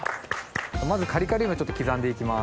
まずカリカリ梅ちょっと刻んで行きます。